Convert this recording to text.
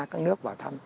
các nước vào thăm